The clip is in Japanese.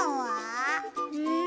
うん？